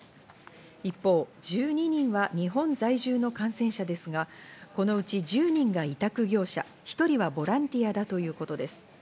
一方、１２人は日本在住の感染者ですが、このうち１０人が委託業者、１人はボランティアだということです。